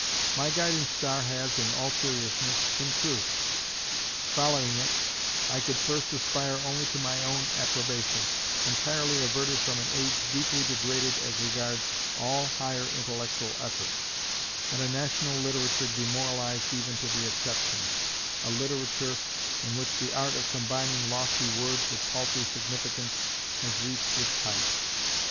My guiding star has, in all seriousness, been truth. Following it, I could first aspire only to my own approbation, entirely averted from an age deeply degraded as regards all higher intellectual efforts, and a national literature demoralised even to the exceptions, a literature in which the art of combining lofty words with paltry significance has reached its height.